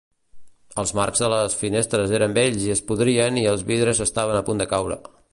Els marcs de les finestres eren vells i es podrien i els vidres estaven a punt de caure.